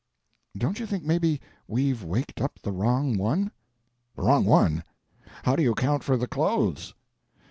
"Don't you think maybe we've waked up the wrong one?" "The wrong one? How do you account for the clothes?"